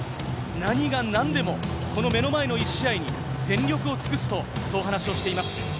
何がなんでも、この目の前の一試合に全力を尽くすと、そう話をしています。